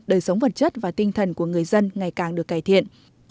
đời sống vật chất và tinh thần của người dân ngày càng được cải thiện